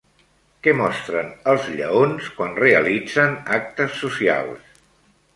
Què mostren els lleons quan realitzen actes socials?